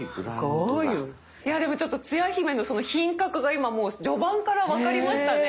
すごい！いやでもちょっとつや姫の品格が今もう序盤からわかりましたね。ね。